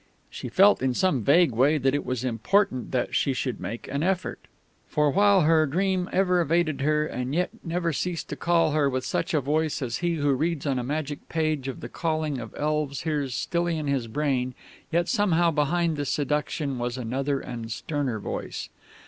She felt in some vague way that it was important that she should make an effort. For, while her dream ever evaded her, and yet never ceased to call her with such a voice as he who reads on a magic page of the calling of elves hears stilly in his brain, yet somehow behind the seduction was another and a sterner voice.